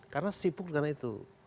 karena sibuk dengan itu